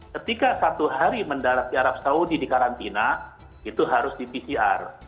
ketika satu hari mendarat di arab saudi di karantina itu harus di pcr